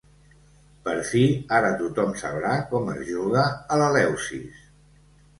Per fi ara tothom sabrà com es juga a l'Eleusis!